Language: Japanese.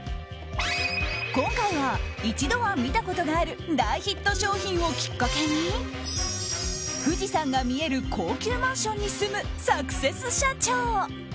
今回は、一度は見たことがある大ヒット商品をきっかけに富士山が見える高級マンションに住むサクセス社長。